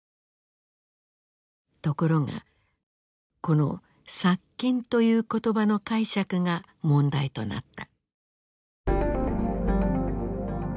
ところがこの「殺菌」という言葉の解釈が問題となった。